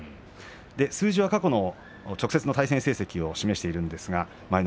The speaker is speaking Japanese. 数字は過去の直接の対戦成績を示しています。